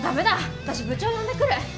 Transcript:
私部長呼んでくる！